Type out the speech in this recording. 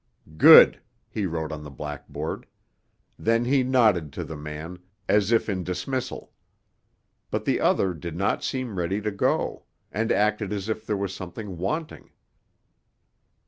"Good!" he wrote on the blackboard. Then he nodded to the man, as if in dismissal. But the other did not seem ready to go, and acted as if there was something wanting.